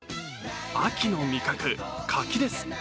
秋の味覚、柿です。